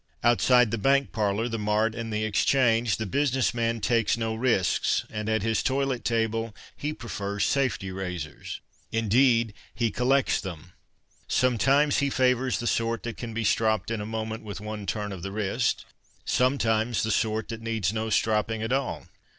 Outside the bank parlour the mart and the ex change the business man takes no risks, and at his toilet table he prefers safety razors. Indeed, he collects them. Sometimes he favours the sort that can be stropped in a moment with one turn of the wrist ; sometimes the sort that needs no stropping at all.